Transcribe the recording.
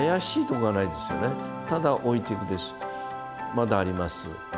まだあります。